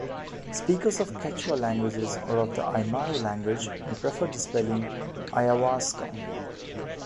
Speakers of Quechua languages or of the Aymara language may prefer the spelling "ayawaska".